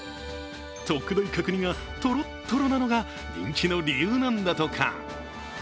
特大角煮がトロットロなのが人気の理由なんだとか。